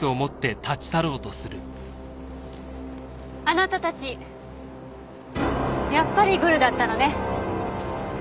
あなたたちやっぱりグルだったのね。